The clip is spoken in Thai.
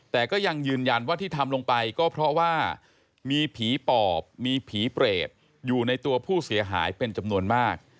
แต่ก็ยังยืนยันว่าที่ทำลงไปก็เพราะว่ามีผีปอบมีผีเปรตอยู่ในตัวผู้เสียหายเป็นจำนวนมาก